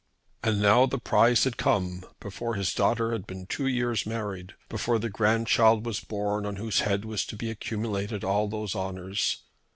And now the prize had come before his daughter had been two years married, before the grandchild was born on whose head was to be accumulated all these honours!